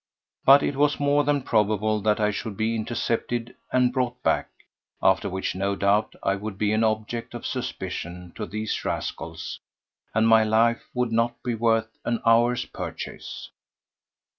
But it was more than probable that I should be intercepted and brought back, after which no doubt I would be an object of suspicion to these rascals and my life would not be worth an hour's purchase.